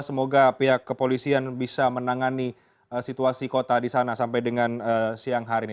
semoga pihak kepolisian bisa menangani situasi kota di sana sampai dengan siang hari ini